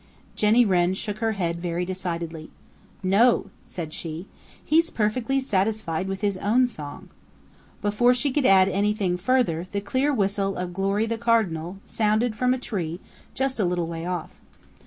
Jenny Wren shook her head very decidedly. "No," said she. "He's perfectly satisfied with his own song." Before she could add anything further the clear whistle of Glory the Cardinal sounded from a tree just a little way off.